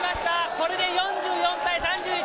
これで４４対３１！